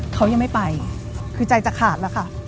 เขายังไม่ไปคือใจจะขาดแล้วค่ะ